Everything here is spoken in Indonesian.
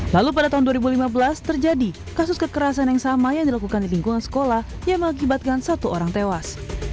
lalu pada tahun dua ribu lima belas terjadi kasus kekerasan yang sama yang dilakukan di lingkungan sekolah yang mengakibatkan satu orang tewas